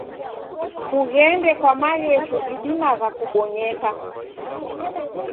Kughende kwa maghesho ghidimagha kubonyeka.